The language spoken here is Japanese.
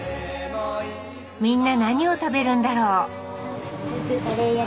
みんな何を食べるんだろう？